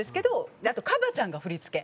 あとＫＡＢＡ．ちゃんが振り付け。